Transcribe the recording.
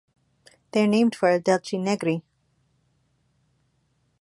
They are named for Adelchi Negri.